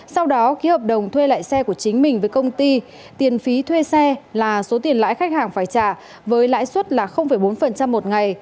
sau đó ký hợp đồng thuê lại xe của chính mình với công ty tiền phí thuê xe là số tiền lãi khách hàng phải trả với lãi suất là bốn một ngày